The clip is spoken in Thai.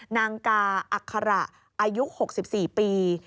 นางกาอัคคาระอายุ๖๔ปี